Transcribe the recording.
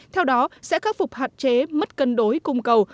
theo đó sẽ khắc phục hạn chế mất cân đối cung cầu